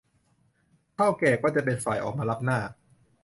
เถ้าแก่ก็จะเป็นฝ่ายออกมารับหน้า